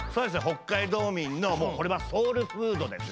北海道みんのこれはソウルフードですよ。